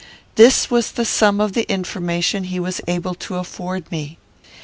This was the sum of the information he was able to afford me.